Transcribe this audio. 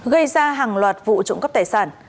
gây ra hàng loạt vụ trộm cắp tài sản